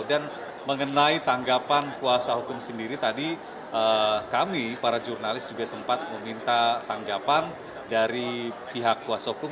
mengenai tanggapan kuasa hukum sendiri tadi kami para jurnalis juga sempat meminta tanggapan dari pihak kuasa hukum